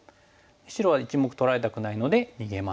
白は１目取られたくないので逃げます。